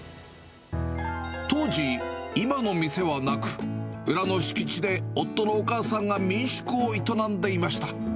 当時、今の店はなく、裏の敷地で夫のお母さんが民宿を営んでいました。